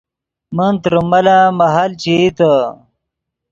من تریم ملن مہل چے ایتے